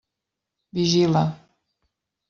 Vigila.